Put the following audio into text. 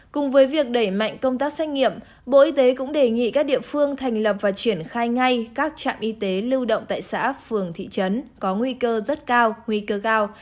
cùng với việc đẩy mạnh công tác xét nghiệm bộ y tế cũng đề nghị các địa phương thành lập và triển khai ngay các trạm y tế lưu động tại xã phường thị trấn có nguy cơ rất cao nguy cơ cao